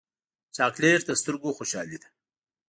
چاکلېټ د سترګو خوشحالي ده.